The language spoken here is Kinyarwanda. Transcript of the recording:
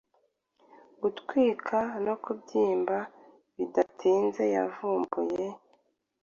Gutwika no kubyimba Bidatinzeyavumbuye